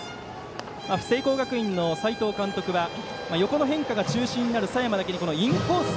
聖光学院の斎藤監督は横の変化が中心になる佐山だけにインコース。